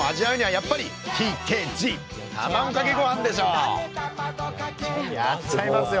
やっちゃいますよ。